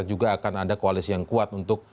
juga akan ada koalisi yang kuat untuk